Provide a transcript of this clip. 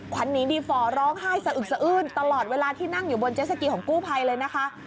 ควันนี้ดีฟอร์ร้องไห้สะอึดตลอดเวลาที่นั่งอยู่บนเจสสกีของกู้ภัยเลยนะคะ